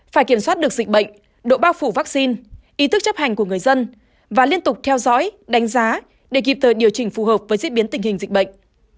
phải kiểm soát được dịch bệnh độ bao phủ vaccine ý thức chấp hành của người dân và liên tục theo dõi đánh giá để kịp thời điều chỉnh phù hợp với diễn biến tình hình dịch bệnh